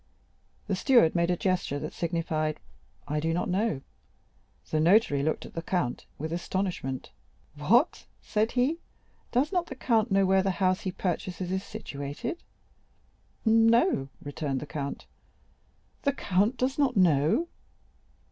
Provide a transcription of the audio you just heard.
The steward made a gesture that signified, "I do not know." The notary looked at the count with astonishment. "What!" said he, "does not the count know where the house he purchases is situated?" "No," returned the count. "The count does not know?"